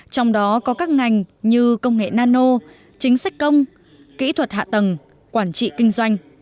trong đó có các ngành như công nghệ nano chính sách công kỹ thuật hạ tầng quản trị kinh doanh